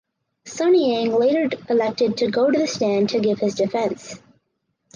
Sunny Ang later elected to go to the stand to give his defence.